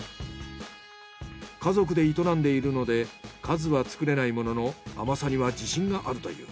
家族で営んでいるので数は作れないものの甘さには自信があるという。